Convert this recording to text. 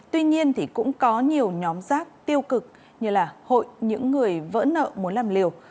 tuy nhiên thì cũng có nhiều nhóm giác tiêu cực như là hội những người vỡ nợ muốn làm liều